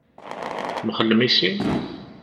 Temxellem i sin?